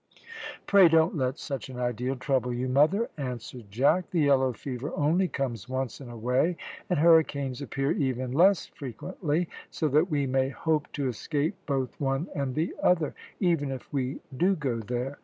"Pray don't let such an idea trouble you, mother," answered Jack; "the yellow fever only comes once in a way, and hurricanes appear even less frequently; so that we may hope to escape both one and the other, even if we do go there.